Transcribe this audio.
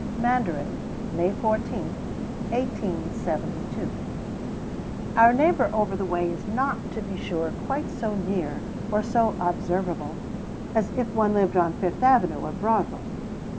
MANDARIN, May 14, 1872. Our neighbor over the way is not, to be sure, quite so near or so observable as if one lived on Fifth Avenue or Broadway.